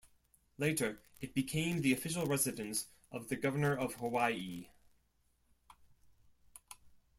Later it became the official residence of the Governor of Hawaii.